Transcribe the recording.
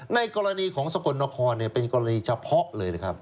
ในกรณีของสกลนครเป็นกรณีเฉพาะเลยนะครับ